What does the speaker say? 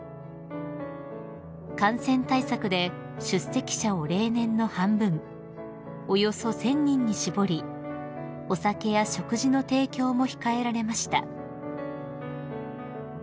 ［感染対策で出席者を例年の半分およそ１，０００人に絞りお酒や食事の提供も控えられました］